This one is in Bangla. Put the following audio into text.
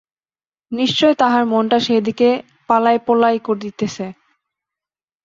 নিশ্চয় তাহার মনটা সেইদিকে পালাইপোলাই করিতেছে।